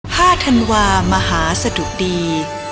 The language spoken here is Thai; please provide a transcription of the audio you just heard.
ห้าธันวามหาสดุดี